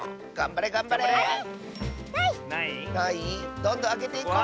どんどんあけていこう！